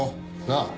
なあ。